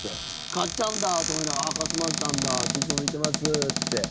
かっちゃんだ！と思いながら勝俣さんだいつも見てますって。